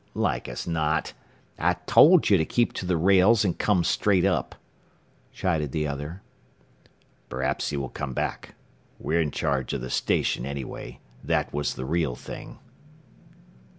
"Like as not. I told you to keep to the rails and come straight up," chided the other. "Perhaps he will come back. We're in charge of the station anyway. That was the real thing."